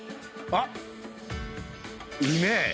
あっ！